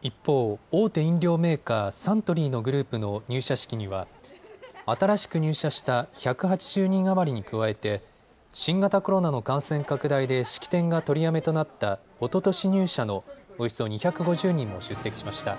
一方、大手飲料メーカーサントリーのグループの入社式には新しく入社した１８０人余りに加えて新型コロナの感染拡大で式典が取りやめとなったおととし入社のおよそ２５０人も出席しました。